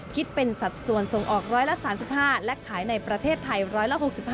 คิดเป็นสัดส่วนส่งออก๑๓๕และขายในประเทศไทย๑๖๕